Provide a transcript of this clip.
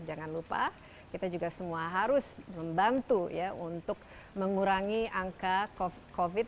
jangan lupa kita juga semua harus membantu ya untuk mengurangi angka covid